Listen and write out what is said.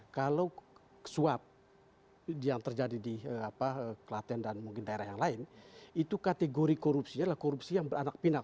kalau suap yang terjadi di klaten dan mungkin daerah yang lain itu kategori korupsinya adalah korupsi yang beranak pinak